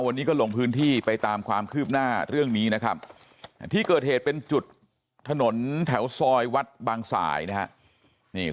วันนี้ก็ลงพื้นที่ไปตามความคืบหน้าเรื่องนี้นะครับที่เกิดเหตุเป็นจุดถนนแถวซอยวัดบางสายนะครับ